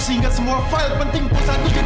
sehingga semua file penting pusatku jadi hilang